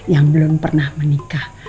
yang belum pernah menikah